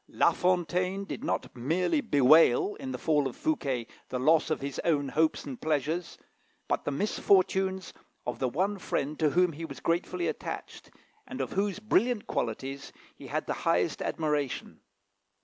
"La Fontaine did not merely bewail, in the fall of Fouquet, the loss of his own hopes and pleasures, but the misfortunes of the one friend to whom he was gratefully attached, and of whose brilliant qualities he had the highest admiration.